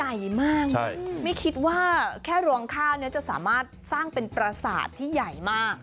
ใหญ่มากไม่คิดว่าแค่รวงข้าวเนี่ยจะสามารถสร้างเป็นประสาทที่ใหญ่มาก